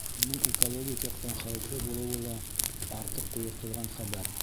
Уның экологик яҡтан хәүефле булыуы ла — артыҡ ҡуйыртылған хәбәр.